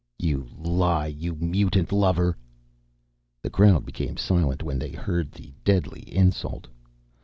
"You lie, you mutant lover." The crowd became silent when they heard the deadly insult.